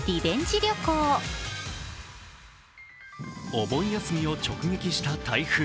お盆休みを直撃した台風。